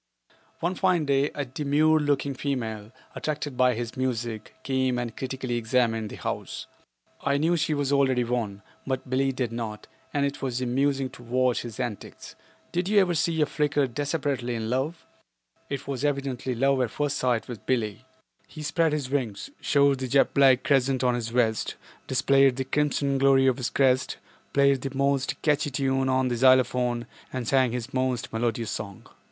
One fine day a demure looking female, attracted by his music, came and critically examined the house. I knew she was already won, but Billie did not, and it was amusing to watch his antics. Did you ever see a Flicker desperately in love? It was evidently love at first sight with Billie. He spread his wings, showed the jet black crescent on his vest, displayed the crimson glory of his crest, played his most catchy tune on the xylophone and sang his most melodious song.